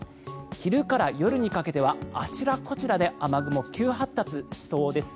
昼から夜にかけてはあちらこちらで雨雲、急発達しそうです。